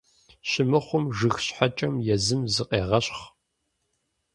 Щымыхъум, жыг щхьэкӀэм езым зыкъегъэщхъ.